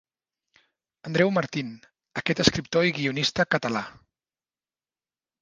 Andreu Martin, aquest escriptor i guionista català.